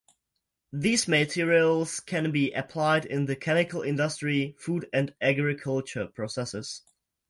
These materials can be applied in the chemical industry, food and agriculture processes.